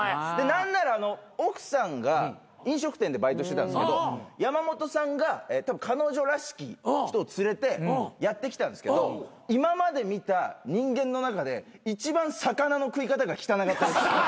何なら奥さんが飲食店でバイトしてたんですけど山本さんが彼女らしき人を連れてやって来たんですけど今まで見た人間の中で一番魚の食い方が汚かった。